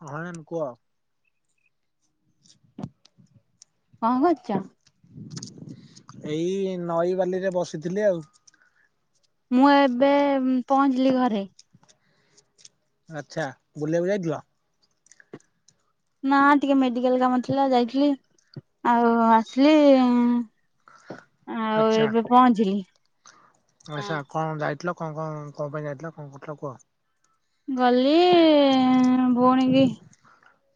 ହଁ ମାମ କୁହ। [unintelligible] କଣ କରୁଚ? ଏଇ ନଈ ବାଲି ରେ ବସିଥିଲି ଆଉ। ମୁଁ ଏବେ ପହଞ୍ଚିଲି ଘରେ। ଆଚ୍ଛା ବୁଲିବାକୁ ଯାଇଥିଲ? ନା ଟିକେ ମେଡିକାଲ କାମ ଥିଲା ଯାଇଥିଲି। ଆଉ ଆସିଲି ଆଉ ଏବେ ପହଞ୍ଚିଲି। ଆଛା କଣ ଯାଇଥିଲ କଣ କଣ କଣ ପାଇଁ ଯାଇଥିଲ କଣ କଲ କୁହ? ଗଲି ଭଉଣୀ କି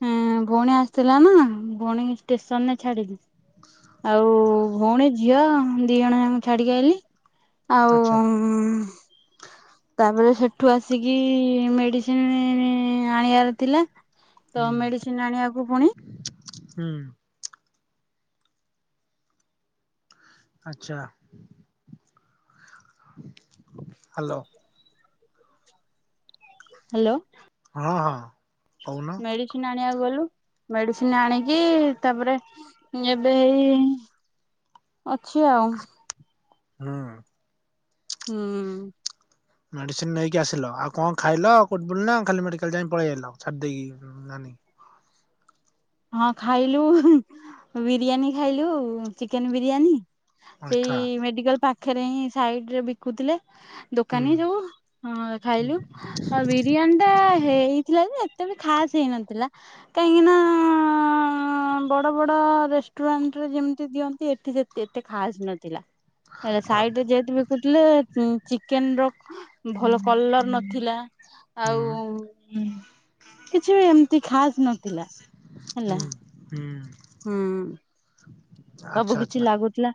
ହଁ ଭଉଣୀ ଆସିଥିଲା ନା ଭଉଣୀ କୁ ଷ୍ଟେସନରେ ଛାଡିିଲି ଆଉ ଭଉଣୀ ଝିଅ ଦି ଜଣ ଯାଙ୍କୁ ଛାଡିକି ଆଇଲି। ଆଉ ଆଚ୍ଛା ଉ ତାପରେ ସେଠୁ ଆସିକି ମେଡିସିନ ଆଣିବାର ଥିଲା। ହୁଁ ତ ମେଡିସିନ ଆଣିବାକୁ ପୁଣି ହୁଁ। ଆଛା ହ୍ୟାଲୋ। ହାଲୋ। ହଁ ହଁ। କହୁନ ମେଡିସିନ ଆଣିବାକୁ ଗଲୁ। ମେଡିସିନ ଆଣିକି ତାପରେ ଏବେ ଏଇ। ଅଛି ଆଉ। ହଁ। ହୁଁ। ମେଡିସିନ ନେଇକି ଆସିଲ, ଆଉ କଣ ଖାଇଲ କୋଉଠି ବୁଲିଲ, ଖାଲି ମେଡିକାଲ ଯାଇ ପଳେଇଆଇ ଲ, ଆସିଲ ଛାଡି ଦେଇକି। ନାନୀ [inaudible] ହଁ ଖାଇଲୁ, ବିରିୟାନୀ ଖାଇଲୁ, ଚିକେନ ବିରିୟାନୀ। ସେଇ ଆଚ୍ଛା ମେଡିକାଲ ପାଖରେ ହିଁ ସାଇଡ ରେ ବିକୁଥିଲେ। ହୁଁ ଦୋକାନୀ ଯଉ, ହଁ ହୁଁ ଖାଇଲୁ ଆଉ, ବିରିୟାନୀ ଟା ହେଇଥିଲା ଯେ। ଏତେ ବି ଖାସ୍ ହେଇନଥିଲା, କାହିଁକିନା। ବଡ ବଡ ରେଷ୍ଟୁରାଣ୍ଟ ରେ ଯେମିତି ଦିଅନ୍ତି, ଏଠି ଏତେ ଖାସ ନଥିଲା। ହେ ସାଇଟରେ ଯେଏତୁ ବିକୁଥିଲେ ଚିକେନ ର ଭଲ କଲର ନଥିଲା ହୁଁ ଆଉ କିଛି ବି ଏମତି ଖାସ ନଥିଲା ହେଲା ହୁଁ ହୁଁ। ହୁଁ। ସବୁ ଆଚ୍ଛା କିଛି ଆଚ୍ଛା ଲାଗୁଥିଲା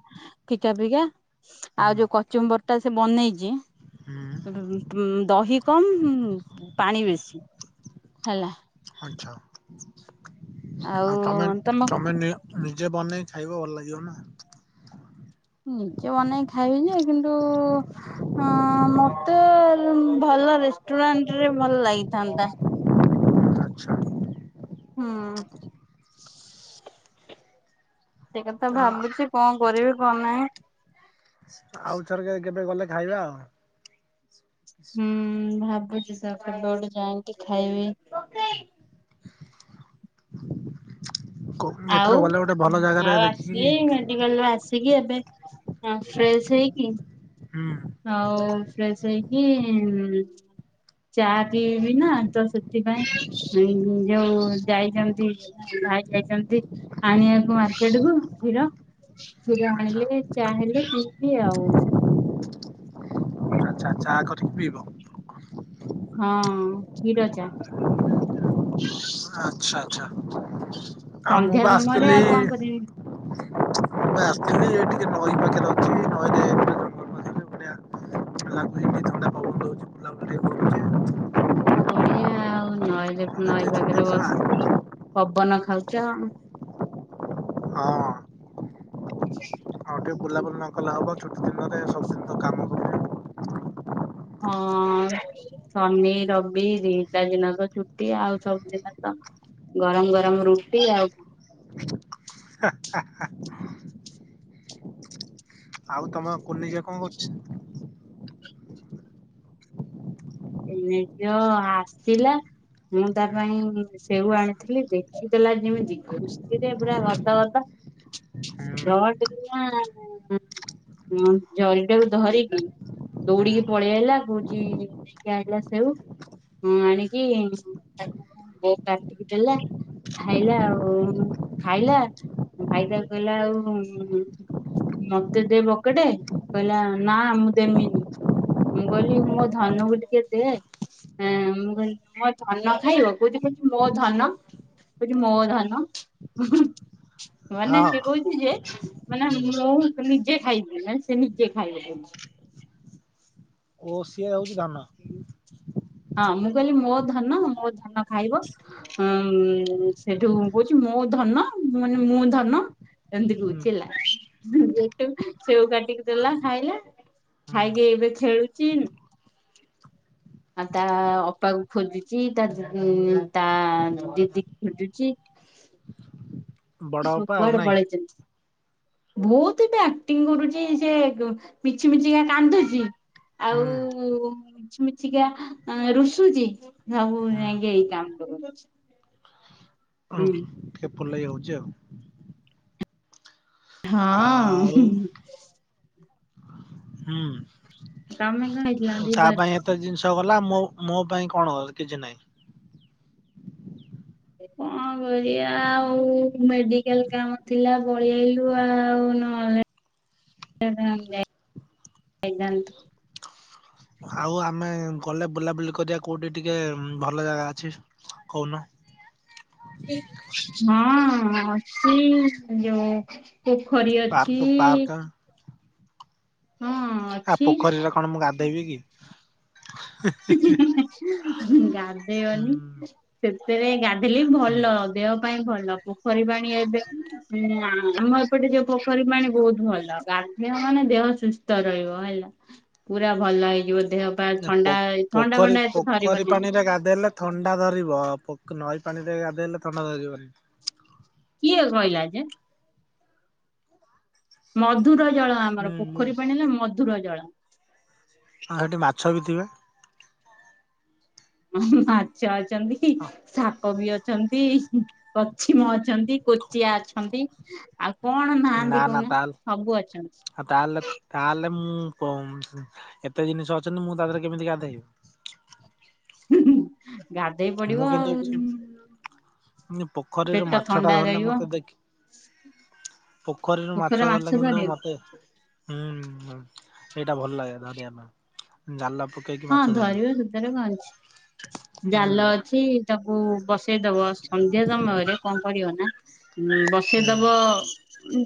ଫିକା ଫିକା ହୁଁ ଆଉ ଯୋଉ କଚୁମ୍ବର ଟା ସେ ବନେଇଛି। ହୁଁ ଦହି କମ, ପାଣି ବେଶୀ। ହେଲା। ଆଛା, ଆଉ ତମେ ତମ ଆଉ ତମେ ନିଅ। ନିଜେ ବନେଇ ଖାଇବ, ଭଲ ଲାଗିବ ନା। ନିଜେ ବନେଇ ଖାଇବି ଯେ କିନ୍ତୁ ମତେ ଭଲ ରେଷ୍ଟୁରାଣ୍ଟ ରେ ଭଲ ଲାଗିଥାନ୍ତା। ଆଚ୍ଛା। ହୁଁ। ସେ କଥା ହଁ ଭାବୁଛି କଣ କରିବି? କଣ ନାହିଁ। ଆଉଥର କେ କେବେ ଗଲେ ଖାଇବା ଆଉ ହୁଁ ଭାବୁଛି ସେଇଆ, କେବେ ଗୋଟେ ଯାଇକି ଖାଇବି। ହ [inaudible] ଆଉ ଆଉ ଦେଖିକି ଆସିଲି, ମେଡିକାଲ ରେ ଆସିକି ଏବେ। ହଁ ଫ୍ରେଶ ହଇ କି। ହୁଁ ହଉ ଫ୍ରେଶ୍ ହେଇକି ଚା ପିଇବି ନା, ତ ସେଥିପାଇଁ ଯୋଉ ଯାଇଛନ୍ତି। ଭାଇ ଯାଇଛନ୍ତି ଆଣିବାକୁ, ମାର୍କେଟ କୁ କ୍ଷୀର। କ୍ଷୀର ଆଚ୍ଛା ଆଣିଲେ ଚା ହେଲେ ପିଇବି ଆଉ ଚାହା କରିକି ପିଇବ। ହଁ କ୍ଷୀର ଚା। ଆଛା, ଆ ମୁଁ ସନ୍ଧ୍ୟା ବା ସମୟରେ ଆସିଥିଲି। ଆଉ କଣ କରିବି ମୁ ଆସିଥିଲି ଏଠି। [inaudible] [unintelligible] ଏ ଥଣ୍ଡା ପବନ ଦଉଛି [unintelligible] ବଢିଆ ଆଉ ନଈଲେ, ଟିକେ ନଈ ଛୁଟି ପାଖରେ ଥିଲା ବସିକି। ପବନ ଖାଉଛ। ହଁ [inaudible] ହଁ ଟିକେ ବୁଲାବୁଲି ନ କଲେ ହବ, ଛୁଟ ଦିନରେ ହଁ ସବୁଦିନ ତ [unintelligible] କାମ କରୁଛୁ। ହଁ-ଅଁ ଶନି, ରବି ଦିଟା ଦିନ ତ ଛୁଟି। ଆଉ ସବୁଦିନ ଗରମ ଗରମ ରୁଟି ଆଉ। ଆଉ ତମ କୁନି ଝିଅ କଣ କରୁଚି? ଏ ଯଅ ଆସିଲା, ମୁଁ ତା ପାଇଁ ସେଉ ଆଣିଥିଲି ଦେଖିଦେଲା ଯେମିତି ଖୁସିରେ ହଁ ପୁରା ଗଦ। ରଟ୍ କିନାଁ -ଆଁ-ଆ ହଁ ଜରିଟାକୁୁ ଧରିକି ଦୌଡିକି ପଳେଇଆଇଲା କହୁଛି-ଇଁ-ଇ କି ଆଣିଲା ସେଉ, ଆଣିକି ତାକୁ କଣ କାଟିକି ଦେଲା। ଖାଇଲା ଆଉ ଖାଇଲା। ଭାଇ ତା କଇଲା ଆଉ-ଉଁ-ଉଁ ମତେ ଦେ ବକେଟେ। କହିଲା ନା ମୁଁ ଦେମିନି। ମୁଁ କହିଲି, ମୋ ଧନକୁ ଟିକେ ଦେ। ଏଁ ମୁଁ କଇଲି ମୋ ଧନ ଖାଇବ। କଉଛି କଛି ମୋ ଧନ! କଛି ମୋ ଧନ! ମାନେ ସେ କହୁଛି ଯେ ମାନେ ହୁଁ ମୁଁ ନିଜେ ଖାଇବି। ନା ସେ ନିଜେ ଖାଇବ କଉଛି। ଓ ସିଏ ହଉଛି ଧନ। ହଁ, ମୁଁ କହିଲି ମୋ ଧନ, ମୋ ଧନ ଖାଇବ। ଉଁ-ଉଁ ସେଠୁ କହୁଛି ମୋ ଧନ ମାନେ ମୁଁ ଧନ। ଏମତି ହୁଁ କହୁଛି ହେଲା, ବୁଝିଲାଠୁ ସେଉ କାଟିକି ଦେଲା ଖାଇଲା। ଖାଇକି ଏବେ ଖେଳୁଚି। ଆଉ ତା ଆ ଅପାକୁ ଖୋଜୁଚି, ତା-ଦିଁ ତା ଦିଦି କି ଖୋଜୁଚି। [inaudible] ବଡ ସବୁ ଅପା ଆଉ କୁଆଡେ ନାଇଁ। ପଳେଇଚନି? ବହୁତ ଏବେ ଆକ୍ଟିଂ କରୁଛି। ସେ ମିଛି ମିଛିକା କାନ୍ଦୁଛି। ହୁଁ ଆଉ-ଉ-ଉ ମିଛି ମିଛିକା ରୁଷୁଚି। ସବୁ ଯାଇଁକି ଏଇ କାମ। [inaudible] ହୁଁ। ଫୁଲେଇ ହଉଛି ଆଉ। ହଁ ଅଁ- ଆଉ ଅ। ହୁଁ ହୁ। ହୁଁ। ତମେ କଣ ହେଇଥିଲା ତା ଦିପହରେ? ପାଇଁ ଏତେ ଜିନିଷ ଗଲା। ମୋ-ମୋ ପାଇଁ କଣ କିଛି ନାହିଁ? କଣ କରିଆ ଆଉ ମେଡିକାଲ କାମ ଥିଲା, ପଳି ଆଇଲୁ ଆଉ। ନ [unintelligible] ନ୍ତୁ। ଆଉ ଆମେ ଗଲେ ବୁଲାବୁଲି କରିବା। କୋଉଠି ଟିକେ ଭଲ ଜାଗା ଅଛି କହୁନ? ହଁ ଅଛି ଯଉ ପୋଖରୀ ପାର୍କ ପାର୍କ ଅଛି-ଇ। ଆଉ ପୋଖରୀରେ କଣ ମୁଁ ଗାଧେଇବି କି? ହିଁ ହି ହିଁ ହିଁ ହିଁ। ଗାଧ୍ ହୁଁ ଧେଇବନି। ସେଥିରେ ଗଧେଇଲେ ବି ହୁଁ ଭଲ। ଦେହ ପାଇଁ ଭ ଲ। ପୋଖରୀ ପାଣି ଏବେକୁ ଆମ ଏପଟେ ଯୋଉ ପୋଖରୀ ପାଣି ବହୁତ ଭଲ, ଗାଧେଇବ ମାନେ ଦେହ ସୁସ୍ଥ ରହିବ। ହେଲା। ଲା ପୁରା ଭଲ ହେଇଯିବ। ଦେହ ପା ନା ପୋ ଥଣ୍ଡା ଥଣ୍ଡା ପୋଖରୀ ଫଣ୍ଡା ଏତେ ପୋଖରୀ ଧରିବନି ପାଣି ରେ ଗାଧେଇଲେ ଥଣ୍ଡା ଧରିବ। ପ-ପକ୍ ନଈ ପାଣିରେ ଗାଧେଇଲେ ଥଣ୍ଡା ଧରିବନି। କିଏ କହିଲା ଯେ? ମଧୁର ଜଳ ହୁଁ ଆମର ମୁଁ ପୋଖରୀ ପାଣି ହେଲା, ମଧୁର ଜଳ। ଆଉ ହେଠି ମାଛ ବି ଥିବେ। ମାଛ ଅଛନ୍ତି କି? ସାପ ପୋକ ବି ଅଛନ୍ତି, କଚ୍ଛିମ ଅଛନ୍ତି, କୋଚିଆ ଅଛନ୍ତି, ଆଉ କଣ ନା ନାହାନ୍ତି ନା କହୁନା ତାଲ୍- ସବୁ ଅଛନ୍ତି। ତାହେଲେ -ତାହେଲେ ମୁଁ କଉମ ଏତେ ଜିନିଷ ଅଛନ୍ତି ମୁଁ ତା ଦେହରେ କେମିତି ଗାଧେଇବି? ଗାଧେଇ ମୁଁ ପଡିବ କିନ୍ତୁ ଆଉ। ଯିବି ପୋଖରୀରୁ ପେଟ ମାଛ ଟା ଥଣ୍ଡା ଧରିଲେ ରହିବ। ମତେ ଦେଖି ପୋଖରୀରୁ ପୋଖରୀରେ ମାଛ ଧରିଲା କିନ୍ତୁ ଧରିବ ମତେ ହୁଁ ଏଇଟା ଭଲ ଲାଗେ ଧରିବା ପାଇଁ ଜାଲ ପକେଇକି ହଁ ମାଛ ଧରିବ ସେତିରେ କଅଁ ଅଛି ହୁଁ ଜାଲ ଅଛି ତାକୁ ବସ ସେଇଦବ ସନ୍ଧ୍ୟା ସମୟରେ କଣ କରିବ ନା ଉଁ ହୁଁ ବସେଇଦବ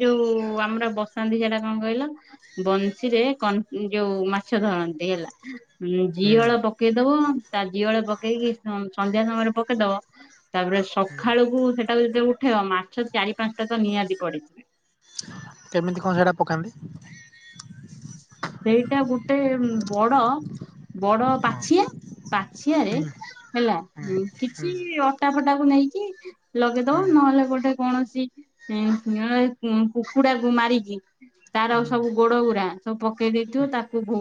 ଯୋଉ ଆମର ବସାନ୍ତି ସେଇଟା କଣ କଇଲ ବଂଶୀରେ କ ଯୋଉ ମାଛ ଧରନ୍ତି ହେଲା। ଉଁ ହୁଁ ଜିଅଳ ପକେଇଦବ ତା ଜିଅଳ ପକେଇକି ସ-ସନ୍ଧ୍ୟା ସମୟରେ ପକେଇଦବ। ତାପରେ ହୁଁ ସଖାଳୁକୁ ସେଟାକୁ ଯେତବେଳେ ଉଠେଇବ ମାଛ ଚାରି ପାନସାଟା ତ ନିହାତି ପଡିଥିବେ। କେମିତି କଣ ସେଟା ପକାନ୍ତି? ସେଇଟା ଗୋଟେ ବଡ ବଡ ହଁ ପାଛିଆ ପାଛିଆରେ ହୁଁ ହେଲା ହୁଁ ହୁଁ କିଛି ଅଟା ଫଟାକୁ ନେଇ କି ହୁଁ ଲଗେଇଦବ ନହେଲେ ଗୋଟେ କୌଣସି କୁକୁଡାକୁ ମାରିକି ତାର ହୁଁ ସବୁ ଉରା ସବୁ ପକେଇଦେଇଥିବ ତାକୁ ଭୋ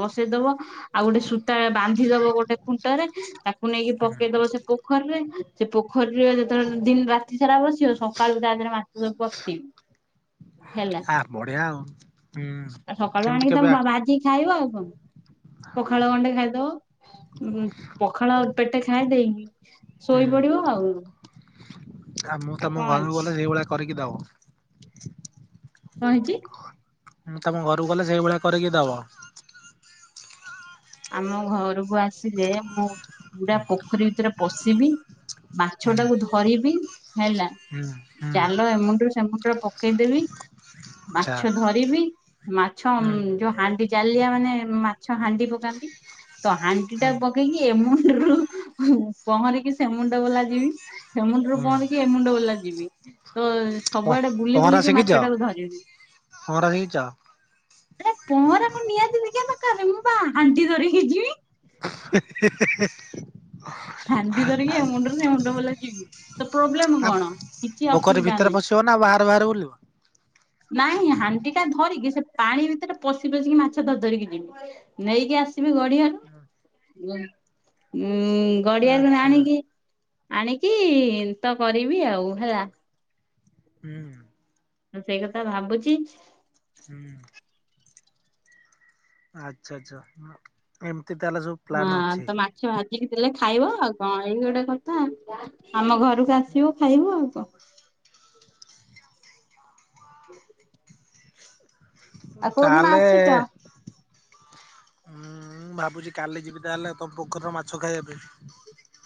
ବସେଇଦବ ଆଉ ଗୋଟେ ସୂତା ବା ନ୍ଧିଦବ ଗୋଟେ ଖୁଣ୍ଟରେ ତାକୁ ନେଇକି ହୁଁ ପକେଇଦବ ସେ ପୋଖରୀରେ ସେ ପୋଖରୀରେ ଯେତେବେଳେ ଦିନ ରାତି ସାରା ବସିବ ସକାଳୁ ତା ଦେହରେ ମାଛ ସବୁ ପଶତିବେ। ଆ ବଢିଆ ଆଉ। ହୁଁ ଆଉ ସକାଳୁ ଏମିତି ଆଣିକି କେବେ ଆ ତମ ବାଜିିକି ଖାଇବ ଆଉ। ହ ପଖାଳ ଗଣ୍ଡେ ଖାଇଦବ ଉ ପଖାଳ ପେଟେ ଖାଇ ଦେଇକି ହୁଁ ଶୋଇ ପଡିବ ଆଉ। ଆଉ ମୁଁ ତା ତମ କଣ ଘଲୁକୁ ଅଛି ଗଲେ ସେଇଭଳିଆ କରିକି ଦବ। କଣ ହେଇଚି? ମୁଁ ତମ ଘରକୁ ଗଲେ ସେଇଭଳିଆ କରିକି ଦବ? ଆମ ଘରକୁ ଆସିଲେ ମୁଁ ପୁରା ପୋଖରୀ ଭିତରେ ପଶିବି। ହୁଁ ମାଛ ଟାକୁ ଧରିବି। ହୁଁ ହୁଁ। ହାଲ ଏମୁଣ୍ଡୁରୁ ସେମୁଣ୍ଡ ରେ ପକେଇଦେବି। ଆଚ୍ଛା ମାଛ ଧରିବି ମାଛ ହୁଁ ଯୋଉ ହାଣ୍ଡି ଜାଲିଆ ମାନେ ମାଛ ହାଣ୍ଡି ପକାନ୍ତି। ତ ହାଣ୍ଡି ଟା ହୁଁ। ପକେଇକି ଏ ମୁଣ୍ଡରୁ ହୁଁ ପହଁରିକି ସେ ମୁୁଣ୍ଡ ବଲା ଯିବି। ସେମୁଣ୍ଡରୁ ହୁଁ ପହଁରି କି ଏମୁଣ୍ଡ ବଲା ଯିବି। ତ ପ ସବୁଆଡେ ବୁଲି ପହଁରା ବୁଲିକି ଶିଖିଛ ମାଛ ଟାକୁ ଧରିବି। ପହଁରା ଶିଖିଛ? ଆରେ ପହଁରା କଣ ନିଆତି ସିକିବା ଦକାରେ ମୁଁ ପା ହାଣ୍ଡି ଧରି କି ଯିମି। [unintelligible] ହାଣ୍ଡି ଧରିକି ଏ ମୁଣ୍ଡୁରୁ ସେ ମୁଣ୍ଡ ବଲା ଯିବି ତ ପ୍ରୋବ୍ଲେମ ଆ କଣ? କିଛି ପୋଖରୀ ଅସୁବିଧା ଭିତରେ ନାହିଁ। ପଶିବ ନା ବାହାରେ ବାହାରେ ବୁଲିବ? ନାଇଁ ହାଣ୍ଡି ଟା ଧରିକି ସେ ପାଣି ଭିତରେ ପଶି ପଶିକି ମାଛ ଧର ଧରିକି ଯିମି ନେଇକି ଆସି ବି ଗଢିଆରୁ ଉଁ ଗଡିଆରୁ ଆଚ୍ଛା ଆଣିକି ଆଣି କି ତ କରିବି ଆଉ ହେଲା। ହୁଁ। ହଁ ସେଇ କଥା ଭାବୁଚି। ହୁଁ। ଆଚ୍ଛା ଆଚ୍ଛା ଏ ହଁ ତ ମାଛ ଭା ଜିକି ଦେଲେ ଖାଇବ ଆଉ କଣ ଏଇ ଗୋଟେ କଥା ଆମ ଘରକୁ ଆସିବୁ ଖାଇବୁ ଆଉ କଣ। ଆଉ କୋଉଦିନ ଆସୁଚ? ହୁଁଁ ଭାବୁଚି କାଲି ଯିବି ତାହେଲେ ତମ ପୋଖରୀର ମାଛ ଖାଇବା ପାଇଁ।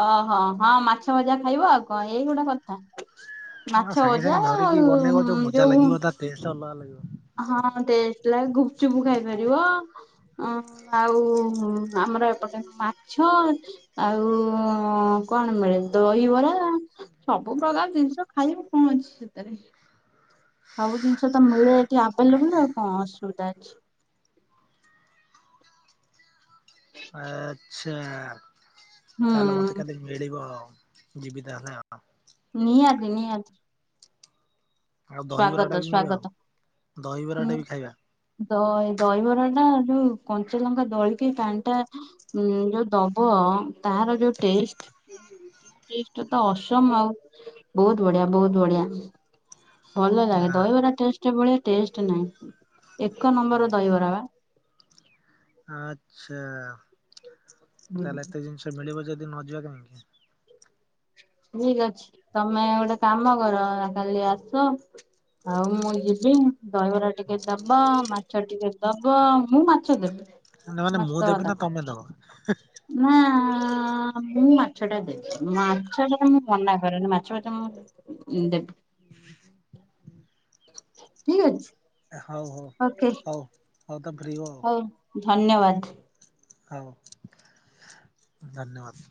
ଓହୋ ହଁ ମାଛ ଭଜା ଖାଇବ ଆଉ କଣ ଏଇଗୋଟେ କଥା। ହଁ ମାଛ ସାଙ୍ଗେ ସାଙ୍ଗେ ଭଜା ଧରିକି ଆଉ ବନେଇବ ମ ମଜା ଯୋଉ। ଲାଗିବ ତା ଟେଷ୍ଟ ଅଲଗା ଲାଗିବ। ହଁ ଦେଥିଲା ଗୁପଚୁପ ଖାଇପାରିବ ଅଁ ଆଉ ଆ ଆମର ଏପଟେ ମାଛ ଆଉ କଣ ମିଳେ ଦହିବରା। ସବୁ ପ୍ରକାର ଜିନିଷ ଖାଇବ କଣ ଅଛି ସେଥିରେ। ସବୁ ଜିନିଷ ତ ମିଳେ ଏଠି ଆଭେଲେବୁଲ ଆଉ କଣ ଅସୁବିଧା ଅଛି। ଚ୍ଛା ତାହେଲେ ମତେ ହୁଁ କେଦି ମିଳିବ ଯିବି ତାହେଲେ ଆ। ନିହାତି ନିହାତି। ଆଉ ଦହିବରା ଟା ସ୍ଵାଗତ ବି ମିଳିବ ସ୍ଵାଗତ ଦହିବରା ଟା ହଁ ବି ଖାଇବା। ଦ ଦହିବରାଟା। ଯୋଉ କଞ୍ଚା ଲଙ୍କା ଦଳିକି ପାଣି ଟା ଉମଁ ଯୋଉ ଦବ ତାର ଯୋଉ ଟେଷ୍ଟ। ଏଇଠୁ ଅସମ ଆଉ ବହୁତ ବଢିଆ ବହୁତ ବଢିଆ। ଭଲ ଲାଗେ ନା ଦହିବରା ଟେଷ୍ଟ ଭଳିଆ ଟେଷ୍ଟ ନାହିଁ ଏକ ନମ୍ବର ଦହିବରା ବା। ଆଚ୍ଛା ହୁଁ ତାହେଲେ ଏତେ ଜିନିଷ ମିଳିବ ଯଦି ନ ଯିବା କାହିଁକି। ଠିକ ଅଛି ତମେ ଗୋଟେ କାମ କର କାଲି ଆସ। ଆଉ ମୁଁ ଯିବି ଦହିବରା ଟିକେ ଦବ ମାଛ ଟିକେ ଦବ ମୁଁ ମାଛ ଦେବି। ନା ମାନେ ମସ୍ତ ମୁଁ ଦେବି ନା [unintelligible] ହୁଅନ୍ତା ତମେ ଦବ ନା। ହ ମୁଁ ମାଛଟା ଦେବି ମା ମାଛ ପାଇଁ ମୁଁ ମନା କରେନି ମାଛ ଭାତ ମୁଁ ଦେବି। ଠିକ ଅଛି। ହଉ ହଉ ଓକେ ହଉ। ତ ଫ୍ରି ହୁଅ ଆଉ ହଉ ଧନ୍ୟବାଦ। ହଉ ଧନ୍ୟବାଦ।